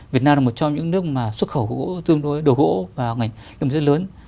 việt nam là một trong những nước mà xuất khẩu tương đối đồ gỗ vào ngành lâm nghiệp rất lớn